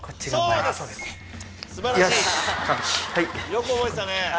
よく覚えてたね。